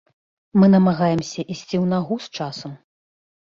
Мы намагаемся ісці ў нагу з часам.